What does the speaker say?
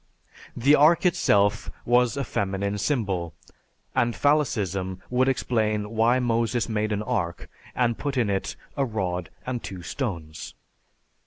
"_) The ark itself was a feminine symbol, and phallicism would explain why Moses made an ark and put in it a rod and two stones.